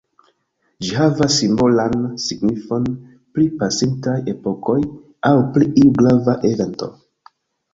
Ĝi havas simbolan signifon pri pasintaj epokoj aŭ pri iu grava evento.